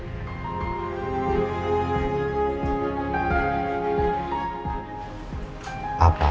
apa kesalahpahaman ini